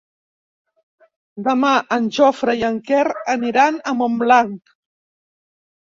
Demà en Jofre i en Quer aniran a Montblanc.